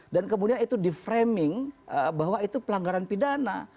dan kemudian itu di framing bahwa itu pelanggaran pidana